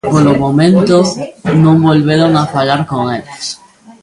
Polo momento, non volveron falar con eles.